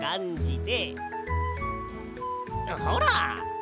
ほら。